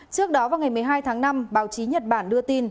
trước đó vào ngày một mươi hai tháng năm báo chí nhật bản đưa tin